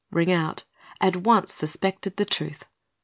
ring out, at once suspected the truth.